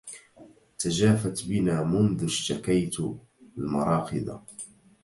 تجافت بنا منذ اشتكيت المراقد